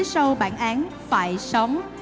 phía sâu bản án phải sống